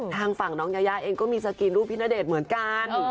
ทางฝั่งน้องยายาเองก็มีสกรีนรูปพี่ณเดชน์เหมือนกัน